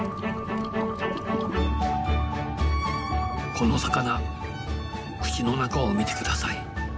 この魚口の中を見てください。